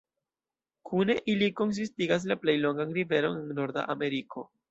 Kune ili konsistigas la plej longan riveron en Norda Ameriko.